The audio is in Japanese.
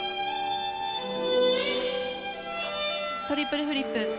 トリプルフリップ。